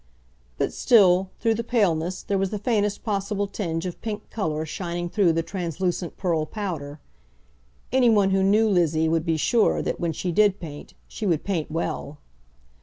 But still, through the paleness, there was the faintest possible tinge of pink colour shining through the translucent pearl powder. Any one who knew Lizzie would be sure that, when she did paint, she would paint well.